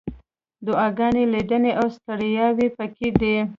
دعاګانې، لیدنې، او ستړیاوې پکې دي.